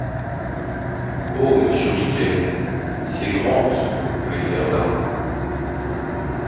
Oh ! monsieur Riquet, c'est grand ce que vous voulez faire là !